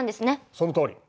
そのとおり。